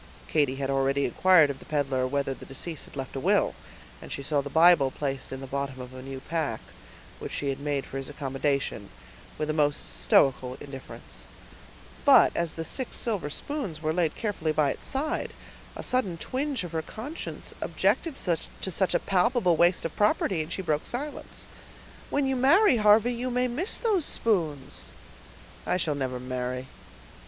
Katy had already inquired of the peddler whether the deceased had left a will; and she saw the Bible placed in the bottom of a new pack, which she had made for his accommodation, with a most stoical indifference; but as the six silver spoons were laid carefully by its side, a sudden twinge of her conscience objected to such a palpable waste of property, and she broke silence. "When you marry, Harvey, you may miss those spoons." "I never shall marry."